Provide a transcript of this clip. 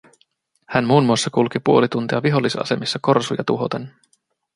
Hän muun muassa kulki puoli tuntia vihollisasemissa korsuja tuhoten